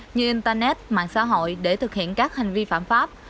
như internet mạng xã hội để thực hiện các hành vi phạm pháp